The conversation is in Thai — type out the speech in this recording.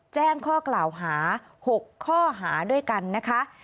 แจ้งข้อกล่าวหา๖ข้อหาด้วยกันนะคะ